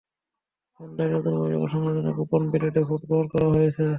সন্ধ্যায় নতুন কমিটি গঠন করার জন্য গোপন ব্যালটে ভোট গ্রহণও করা হয়েছে।